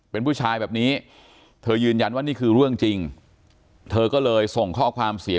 เป็นผู้ชายแบบนี้เธอยืนยันว่านี่คือเรื่องจริงเธอก็เลยส่งข้อความเสีย